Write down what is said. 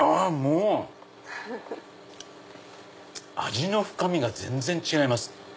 味の深みが全然違います。